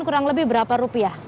kurang lebih berapa rupiah